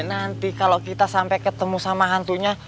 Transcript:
nanti kalau kita sampai ketemu sama hantunya